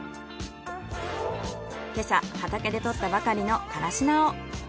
今朝畑で採ったばかりのからし菜を。